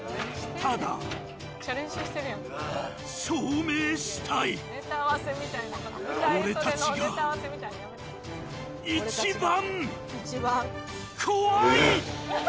「ただ証明したい」「俺たちが一番怖い！」